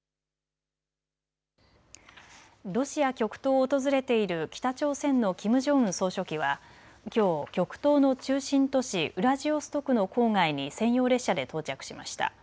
ロシア極東を訪れている北朝鮮のキム・ジョンウン総書記はきょう極東の中心都市、ウラジオストクの郊外に専用列車で到着しました。